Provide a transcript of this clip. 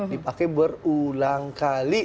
dipakai berulang kali